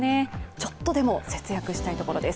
ちょっとでも節約したいところです。